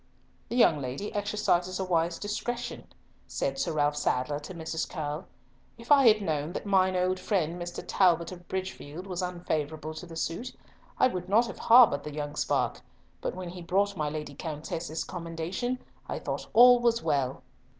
"The young lady exercises a wise discretion," said Sir Ralf Sadler to Mrs. Curll. "If I had known that mine old friend Mr. Talbot of Bridgefield was unfavourable to the suit, I would not have harboured the young spark, but when he brought my Lady Countess's commendation, I thought all was well."